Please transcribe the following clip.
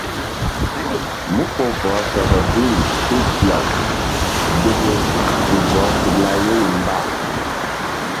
Mú ko bɔh seke biri ké gi-aw deke tu bɔh tikla yeri mba.